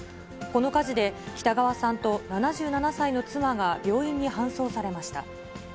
この火事で、北川さんと７７歳の妻が病院に搬送されました。